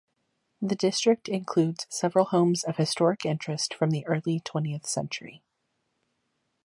The district includes several homes of historic interest from the early twentieth century.